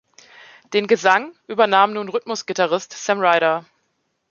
Den Gesang übernahm nun Rhythmusgitarrist Sam Ryder.